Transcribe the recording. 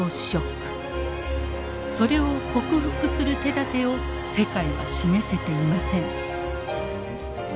それを克服する手だてを世界は示せていません。